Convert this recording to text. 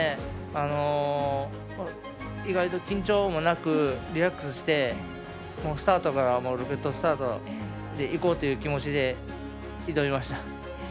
意外と緊張もなくリラックスしてスタートからロケットスタートでいこうという気持ちで挑みました。